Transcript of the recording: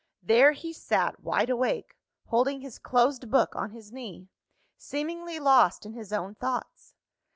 There he sat wide awake holding his closed book on his knee, seemingly lost in his own thoughts.